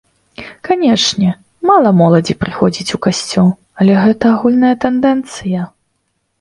Канешне, мала моладзі прыходзіць у касцёл, але гэта агульная тэндэнцыя.